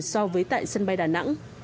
so với tại sân bay đà nẵng